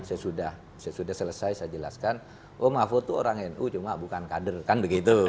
sesudah selesai saya jelaskan oh mahfud itu orang nu cuma bukan kader kan begitu